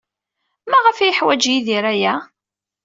Maɣef ay yeḥwaj Yidir aya?